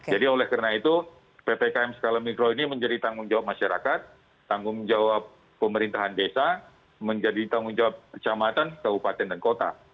jadi oleh karena itu ppkm skala mikro ini menjadi tanggung jawab masyarakat tanggung jawab pemerintahan desa menjadi tanggung jawab kecamatan kabupaten dan kota